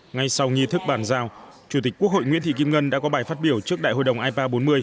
ngay sau nghi thức bàn giao chủ tịch quốc hội nguyễn thị kim ngân đã có bài phát biểu trước đại hội đồng ipa bốn mươi